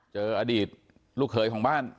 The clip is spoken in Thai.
เจออดีตลูกเขยของบ้าน